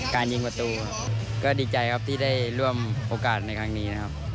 การยิงประตูก็ดีใจครับที่ได้ร่วมโอกาสในครั้งนี้นะครับ